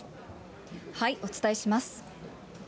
お伝えします。